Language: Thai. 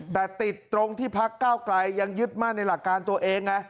แต่ติดตรงที่พักเก้าไกลยังยึดมั่นในหลักการตัวเองไง